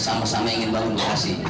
sama sama ingin buat pks